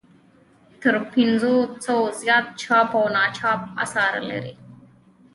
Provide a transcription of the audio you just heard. تر پنځو سوو زیات چاپ او ناچاپ اثار لري.